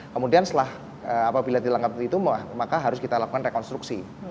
kemudian setelah apabila dilanggar seperti itu maka harus kita lakukan rekonstruksi